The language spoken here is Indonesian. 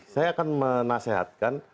saya akan menasehatkan